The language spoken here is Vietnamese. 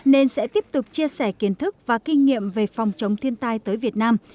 nên sẽ tiếp tục chia sẻ kiến thức và kinh nghiệm về phòng chống thiên tai tới việt nam